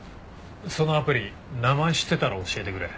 そのアプリ名前知ってたら教えてくれ。